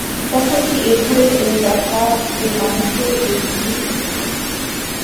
তখন কি এ ঘরের এই দশা, এ মানুষের এই ছিরি থাকিত।